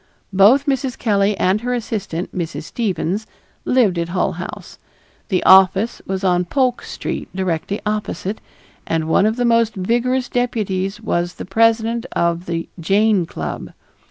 Both Mrs. Kelley and her assistant, Mrs. Stevens, lived at Hull House; the office was on Polk Street directly opposite, and one of the most vigorous deputies was the president of the Jane Club.